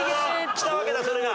きたわけだそれが。